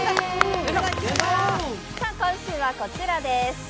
今週はこちらです。